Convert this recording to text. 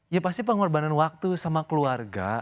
ya pasti pengorbanan waktu sama keluarga